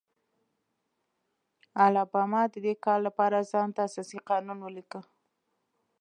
الاباما د دې کار لپاره ځان ته اساسي قانون ولیکه.